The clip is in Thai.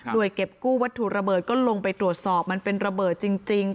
โดยเก็บกู้วัตถุระเบิดก็ลงไปตรวจสอบมันเป็นระเบิดจริง